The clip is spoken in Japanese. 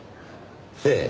ええ。